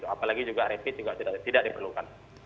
apalagi juga rapid juga tidak diperlukan